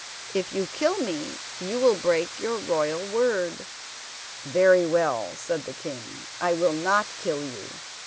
If you kill me you will break your royal word." "Very well," said the king, "I will not kill you.